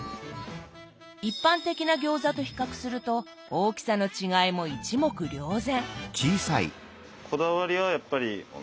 一般的な餃子と比較すると大きさの違いも一目瞭然。